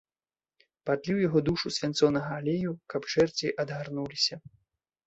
Падлі ў яго душу свянцонага алею, каб чэрці адгарнуліся.